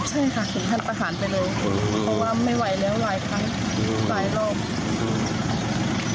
ใช่ค่ะถึงขั้นประหารไปเลยเพราะว่าไม่ไหวแล้วหลายครั้งหลายรอบ